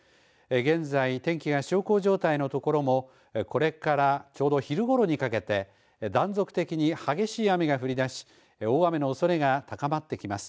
現在、天気が小康状態の所もこれからちょうど昼ごろにかけて断続的に激しい雨が降りだし大雨のおそれが高まってきます。